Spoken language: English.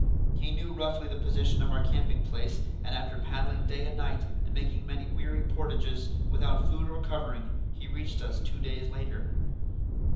He knew roughly the position of our camping place, and after paddling day and night, and making many weary portages, without food or covering, he reached us two days later.